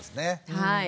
はい。